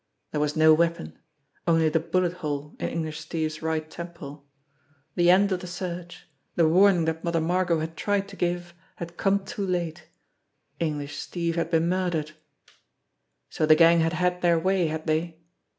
There was no weapon only the bullet hole in English Steve's right temple. The end of the search, the warning that Mother Margot had tried to give, had come too late. English Steve had been murdered. So the gang had had their way, had they?